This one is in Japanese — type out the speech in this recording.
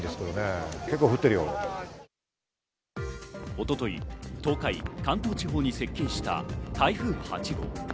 一昨日、東海、関東地方に接近した台風８号。